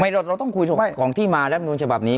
เราต้องคุยตรงของที่มาร่ำนวลเฉยแบบนี้